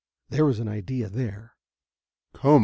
There was an idea there. "Come!"